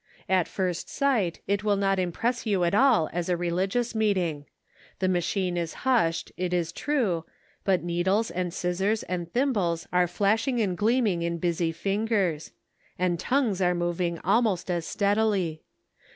At first sight it will not impress you at all as a religious meeting. The machine is hushed it is true, but needles and scissors and thimbles are flashing and gleaming in busy fingers ; and tongues are moving almost as steadily.